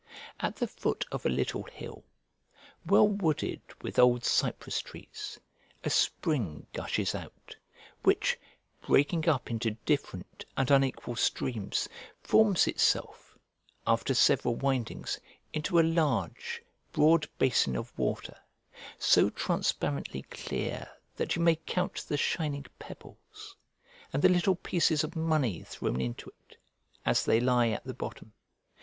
At the foot of a little hill, well wooded with old cypress trees, a spring gushes out, which, breaking up into different and unequal streams, forms itself, after several windings, into a large, broad basin of water, so transparently clear that you may count the shining pebbles, and the little pieces of money thrown into it, as they lie at the bottom.